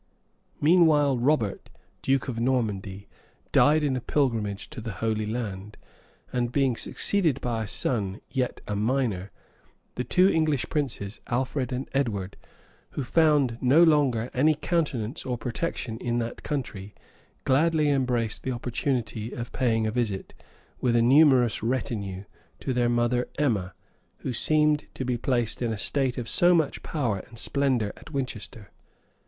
Meanwhile Robert, duke of Normandy, died in a pilgrimage to the Holy Land, and being succeeded by a son, yet a minor, the two English princes, Alfred and Edward, who found no longer any countenance or protection in that country, gladly embraced the opportunity of paying a visit, with a numerous retinue, to their mother, Emma, who seemed to be placed in a state of so much power and splendor at Winchester.